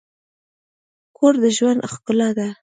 کور د ژوند ښکلا ده.